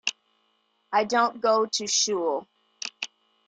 I don't go to shul.